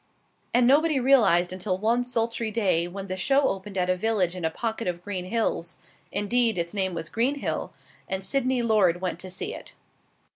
And nobody realized until one sultry day when the show opened at a village in a pocket of green hills indeed, its name was Greenhill and Sydney Lord went to see it.